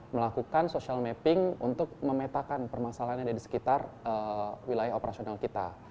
melakukan social mapping untuk memetakan permasalahan yang ada di sekitar wilayah operasional kita